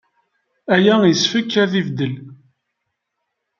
Aya yessefk ad ibeddel.